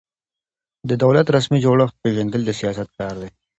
د دولت رسمي جوړښت پېژندل د سیاست کار دی.